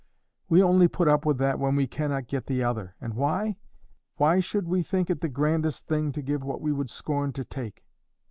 We only put up with that when we cannot get the other, and why? Why should we think it the grandest thing to give what we would scorn to take?